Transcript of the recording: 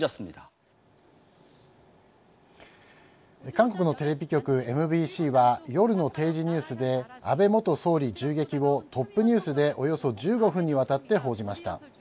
韓国のテレビ局ＭＢＣは夜の定時ニュースで安倍元総理銃撃をトップニュースでおよそ１５分にわたって報じました。